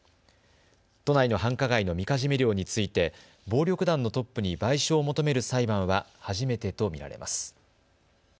都内の繁華街のみかじめ料について暴力団のトップに賠償を求める裁判は初めてと見られます。